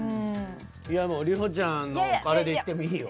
里帆ちゃんのあれでいってもいいよ。